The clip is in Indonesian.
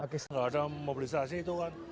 tidak ada mobilisasi itu kan